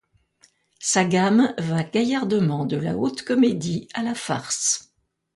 Sa gamme va gaillardement de la haute comédie à la farce.